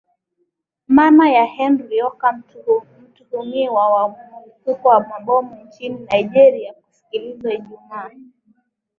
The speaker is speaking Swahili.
mana ya henry oka mtuhumiwa wa mulipuko wa mabomu nchini nigeria kusikilizwa ijumaa